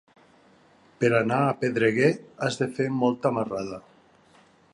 Per anar a Pedreguer has de fer molta marrada.